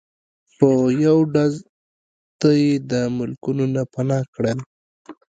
په یو ډز ته یی د ملکونو نه پناه کړل